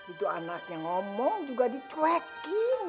itu anaknya ngomong juga dicuekin